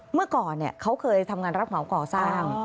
เมื่อก่อนเขาเคยทำงานรับเหมาก่อสร้าง